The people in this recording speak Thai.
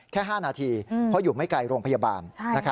แค่๕นาทีเพราะอยู่ไม่ไกลโรงพยาบาล